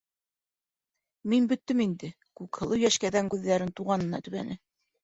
Мин бөттөм инде, - Күкһылыу йәшкәҙәгән күҙҙәрен туғанына төбәне.